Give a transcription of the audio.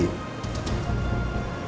nanti aku akan pulang